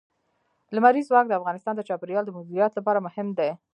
لمریز ځواک د افغانستان د چاپیریال د مدیریت لپاره مهم دي.